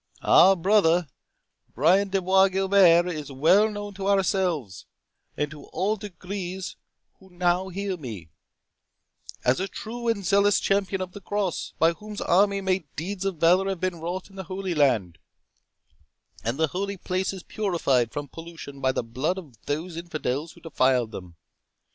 Our brother, Brian de Bois Guilbert, is well known to ourselves, and to all degrees who now hear me, as a true and zealous champion of the Cross, by whose arm many deeds of valour have been wrought in the Holy Land, and the holy places purified from pollution by the blood of those infidels who defiled them.